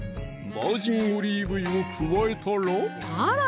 バージンオリーブ油を加えたらあら！